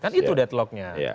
kan itu deadlocknya